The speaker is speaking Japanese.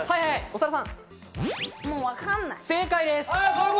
長田さん、正解です。